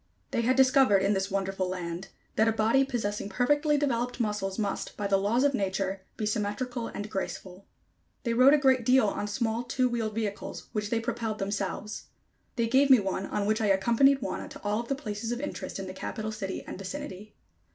They had discovered, in this wonderful land, that a body possessing perfectly developed muscles must, by the laws of nature, be symmetrical and graceful. They rode a great deal on small, two wheeled vehicles, which they propelled themselves. They gave me one on which I accompanied Wauna to all of the places of interest in the Capital city and vicinity.